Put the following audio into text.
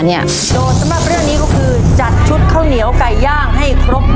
โจทย์สำหรับเรื่องนี้ก็คือจัดชุดข้าวเหนียวไก่ย่างให้ครบ